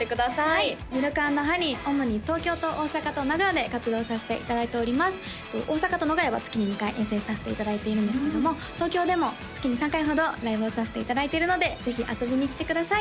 はいｍｉｌｋ＆ｈｏｎｅｙ主に東京と大阪と名古屋で活動させていただいております大阪と名古屋は月に２回遠征させていただいているんですけども東京でも月に３回ほどライブをさせていただいているのでぜひ遊びに来てください